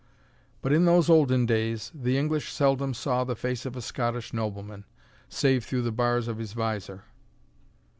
But in those olden days, the English seldom saw the face of a Scottish nobleman, save through the bars of his visor."